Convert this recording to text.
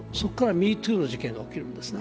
ＭｅＴｏｏの事件が起きるんですね。